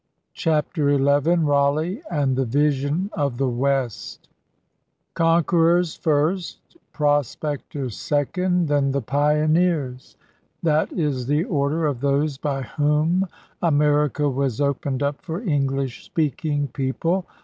CHAPTER XI RALEIGH AND THE VISION OF THE WEST Conquerors first, prospectors second, then the pioneers: that is the order of those by whom America was opened up for English speaking peo ple.